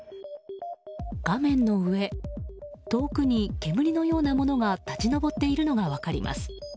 画面の上、遠くに煙のようなものが立ち上っているのが分かります。